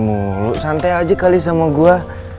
sampai mulu santai aja kali sama gua